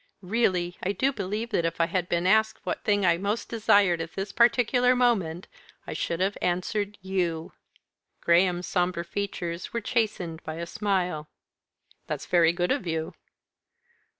"Really, I do believe that if I had been asked what thing I most desired at this particular moment, I should have answered you!" Graham's sombre features were chastened by a smile. "That's very good of you."